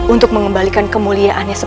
untuk mengembalikan kemuliaannya opener